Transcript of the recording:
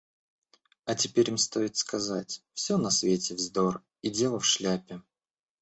А теперь им стоит сказать: все на свете вздор! - и дело в шляпе.